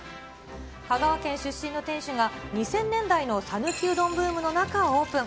香川県出身の店主が、２０００年代の讃岐うどんブームの中、オープン。